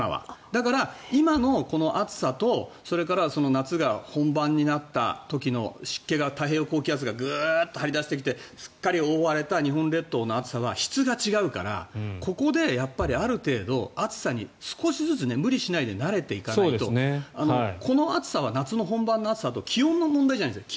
だから、今のこの暑さと夏が本番になった時の湿気が、太平洋高気圧がグッと張り出してきてすっかり覆われた日本列島の暑さは質が違うからここである程度暑さに少しずつ無理しないで慣れていかないとこの暑さは夏の本番の暑さと気温の問題じゃないんです。